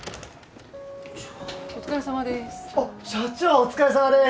お疲れさまです。